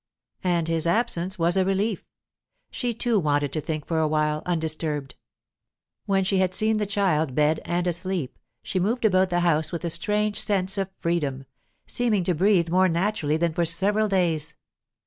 And his absence was a relief. She too wanted to think for a while, undisturbed. When she had seen the child bed and asleep, she moved about the house with a strange sense of freedom, seeming to breathe more naturally than for several days.